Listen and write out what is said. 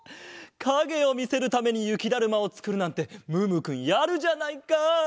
かげをみせるためにゆきだるまをつくるなんてムームーくんやるじゃないか。